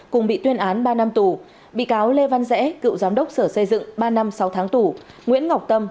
cùng bị tuyên án ba năm tù bị cáo lê văn rẽ cựu giám đốc sở xây dựng ba năm sáu tháng tù nguyễn ngọc tâm